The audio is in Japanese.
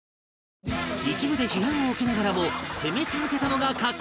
一部で批判を受けながらも攻め続けたのが格好